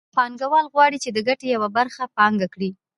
پانګوال غواړي چې د ګټې یوه برخه پانګه کړي